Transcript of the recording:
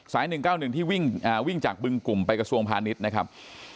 ๑๙๑ที่วิ่งจากบึงกลุ่มไปกระทรวงพาณิชย์นะครับ